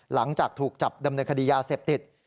หลังจากถูกจับดำเนินคดียาเสพติด